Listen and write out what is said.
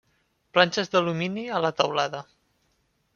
Planxes d'alumini a la teulada.